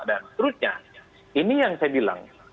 dan seterusnya ini yang saya bilang